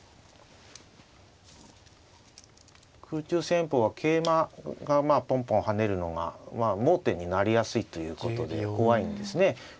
空中戦法は桂馬がポンポン跳ねるのが盲点になりやすいということで怖いんですね。